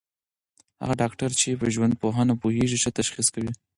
هغه ډاکټر چي په ژوندپوهنه پوهېږي، ښه تشخیص کوي.